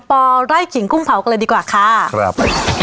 ปไร่ขิงกุ้งเผากันเลยดีกว่าค่ะครับ